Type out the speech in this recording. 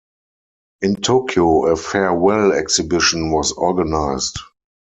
In Tokyo, a farewell exhibition was organized.